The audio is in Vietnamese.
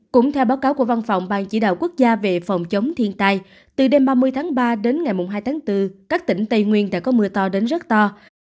cũng theo báo cáo của văn phòng ban chỉ đạo quốc gia về phòng chống thiên tai từ đêm ba mươi tháng ba đến ngày hai tháng bốn các tỉnh tây nguyên đã có mưa to đến rất to